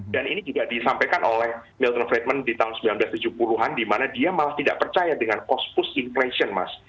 dan ini juga disampaikan oleh milton friedman di tahun seribu sembilan ratus tujuh puluh an dimana dia malah tidak percaya dengan cost push inflation mas